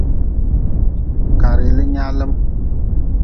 Ka rili nyaalm.